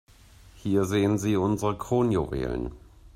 Hier sehen Sie unsere Kronjuwelen.